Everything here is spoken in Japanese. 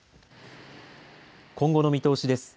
今後の見通しです。